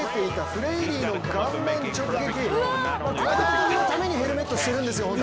このときのためにヘルメットかぶってるんですよ。